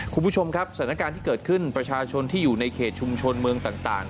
คุณผู้ชมครับสถานการณ์ที่เกิดขึ้นประชาชนที่อยู่ในเขตชุมชนเมืองต่าง